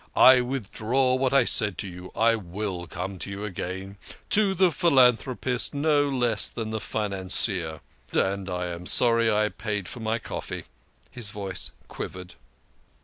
I withdraw what I said to you. I will come to you again to the philanthropist no less than financier. And and I am sorry I paid for my coffee." His voice quivered.